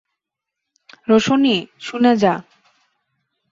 রোশনি, শুনে যা।